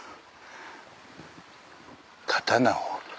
刀を。